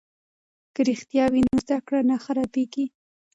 که رښتیا وي نو زده کړه نه خرابیږي.